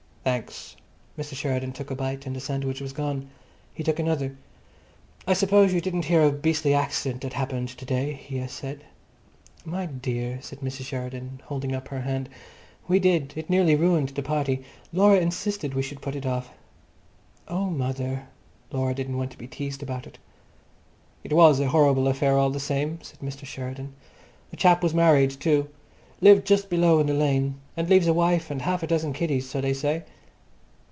"Thanks." Mr. Sheridan took a bite and the sandwich was gone. He took another. "I suppose you didn't hear of a beastly accident that happened to day?" he said. "My dear," said Mrs. Sheridan, holding up her hand, "we did. It nearly ruined the party. Laura insisted we should put it off." "Oh, mother!" Laura didn't want to be teased about it. "It was a horrible affair all the same," said Mr. Sheridan. "The chap was married too. Lived just below in the lane, and leaves a wife and half a dozen kiddies, so they say."